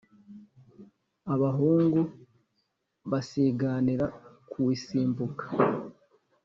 abahungu basiganira kuwisimbuka